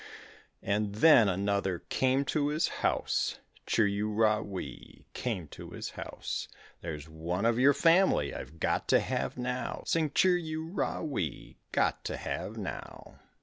And then another came to his house, Chir u ra wee, came to his house; "There's one of your family I've got to have now, Sing chir u ra wee, got to have now.